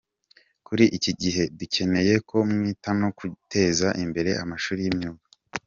Kuri iki gihe, dukeneye ko mwita no ku guteza imbere amashuri y’imyuga».